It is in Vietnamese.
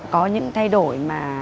có những thay đổi mà